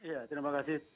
ya terima kasih